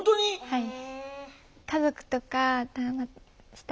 はい。